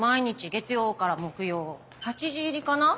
月曜から木曜８時入りかな？